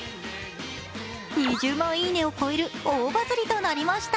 ２０万いいねを超える大バズりとなりました。